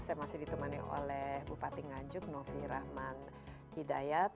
saya masih ditemani oleh bupati nganjuk novi rahman hidayat